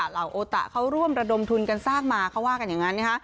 เหล่าโอตะเขาร่วมระดมทุนกันสร้างมาเขาว่ากันอย่างนั้นนะคะ